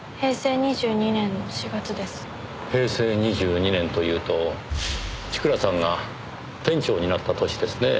平成２２年というと千倉さんが店長になった年ですねぇ。